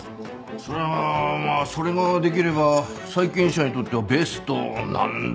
そりゃまあそれができれば債権者にとってはベストなんだろうけどね。